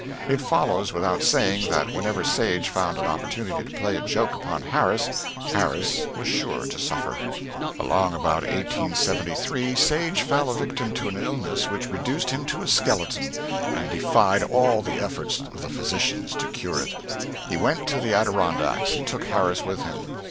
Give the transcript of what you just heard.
It follows, without saying, that whenever Sage found an opportunity to play a joke upon Harris, Harris was sure to suffer. Along about 1873 Sage fell a victim to an illness which reduced him to a skeleton, and defied all the efforts of the physicians to cure it. He went to the Adirondacks and took Harris with him.